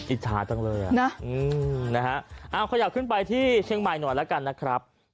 อิจฉาจังเลยอ่ะนะเอาขยับขึ้นไปที่เชียงใหม่หน่อยแล้วกันนะครับ